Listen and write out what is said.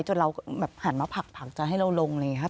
จนเราแบบหันมาผักจะให้เราลงอะไรอย่างนี้ครับ